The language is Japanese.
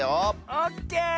オッケー！